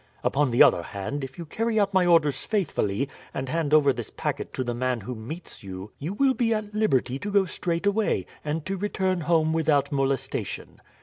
Upon the other hand, if you carry out my orders faithfully, and hand over this packet to the man who meets you, you will be at liberty to go straight away, and to return home without molestation."